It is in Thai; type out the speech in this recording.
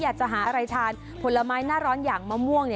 อยากจะหาอะไรทานผลไม้หน้าร้อนอย่างมะม่วง